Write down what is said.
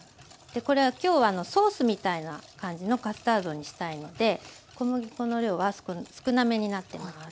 これは今日はソースみたいな感じのカスタードにしたいので小麦粉の量は少なめになってます。